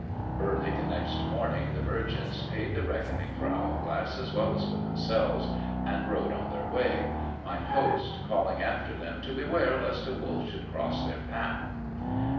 Early the next morning the merchants paid the reckoning for Owlglass, as well as for themselves, and rode on their way, mine host calling after them to beware lest a wolf should cross their path.